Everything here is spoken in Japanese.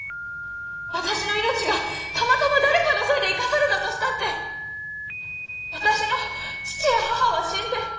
私の命がたまたま誰かのせいで生かされたとしたって私の父や母は死んで。